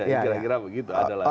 kira kira begitu adalah